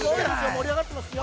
盛り上がっていますよ。